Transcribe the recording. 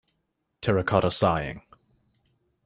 Terracotta Sighing.